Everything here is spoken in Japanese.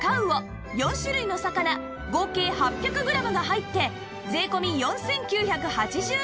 ４種類の魚合計８００グラムが入って税込４９８０円